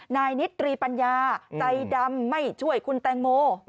นายนิตรีปัญญาใจดำไม่ช่วยคุณแตงโม